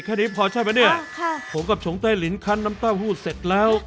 แค่นี้พอใช่ไหมเนี่ยค่ะผมกับชงใต้ลิ้นคันน้ำเต้าหู้เสร็จแล้ว